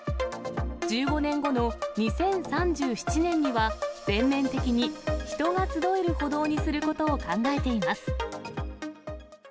１５年後の２０３７年には、全面的に人が集える歩道にすることを考えています。